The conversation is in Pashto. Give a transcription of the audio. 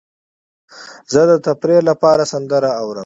زه د تفریح لپاره سندرې اورم.